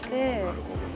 なるほどね。